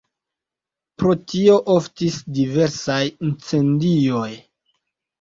Pro tio oftis diversaj incendioj.